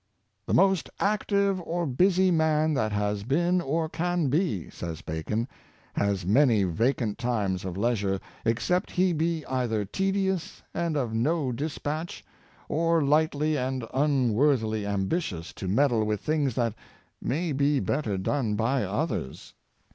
"The most active or busy man that has been or can be," says Bacon, "has many vacant times of leisure, except he be either tedious and of no dispatch, or lightly and unworthily ambitious to meddle with things that may be better done by others."